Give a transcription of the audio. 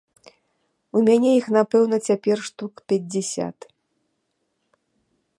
У мяне іх, напэўна, цяпер штук пяцьдзясят.